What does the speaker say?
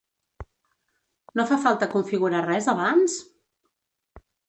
No fa falta configurar res abans?